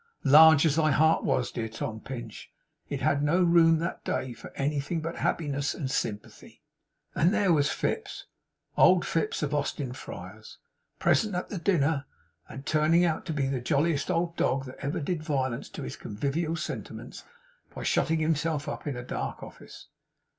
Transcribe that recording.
Large as thy heart was, dear Tom Pinch, it had no room that day for anything but happiness and sympathy! And there was Fips, old Fips of Austin Friars, present at the dinner, and turning out to be the jolliest old dog that ever did violence to his convivial sentiments by shutting himself up in a dark office.